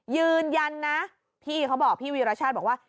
ยืนยันนะพี่เขาบอกพี่วีรชาติบอกว่า